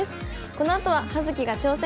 このあとは「葉月が挑戦！」。